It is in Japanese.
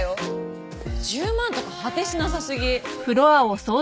１０万とか果てしなさ過ぎ。